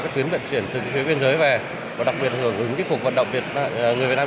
tuyến vận chuyển từ phía biên giới về và đặc biệt hưởng ứng các cuộc vận động người việt nam